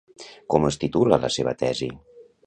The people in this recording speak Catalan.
Com es titula la seva tesi?